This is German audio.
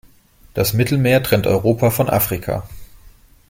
Das Mittelmeer trennt Europa von Afrika.